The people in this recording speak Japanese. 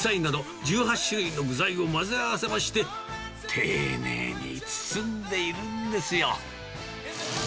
あんは豚のひき肉、ニラ、白菜など１８種類の具材を混ぜ合わせまして、丁寧に包んでいるんですよ。